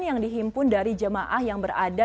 yang dihimpun dari jemaah yang berada